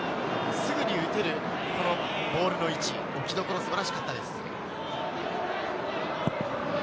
すぐに打てるボールの位置、行きどころ、素晴らしかったです。